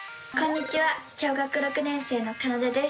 小学６年生のかなでです。